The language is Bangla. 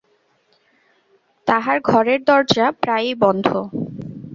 তাঁহার ঘরের দরজা প্রায়ই বন্ধ।